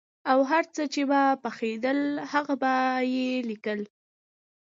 او چې هر څه به پېښېدل هغه به یې لیکل.